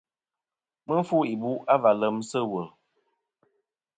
Mɨ fu ibu' a va lem sɨ̂ wul.